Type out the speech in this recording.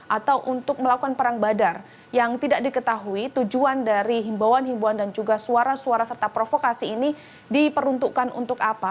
atau untuk melakukan perang badar yang tidak diketahui tujuan dari himbauan himbauan dan juga suara suara serta provokasi ini diperuntukkan untuk apa